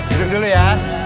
duduk dulu ya